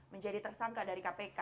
menjadi tersangka dari kpk